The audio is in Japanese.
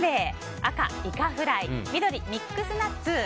赤、イカフライ緑、ミックスナッツ。